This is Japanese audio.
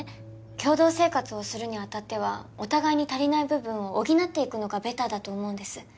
共同生活をするにあたってはお互いに足りない部分を補っていくのがベターだと思うんです